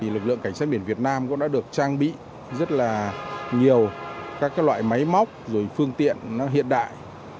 lực lượng cảnh sát biển việt nam cũng đã được trang bị rất là nhiều các loại máy móc phương tiện hiện đại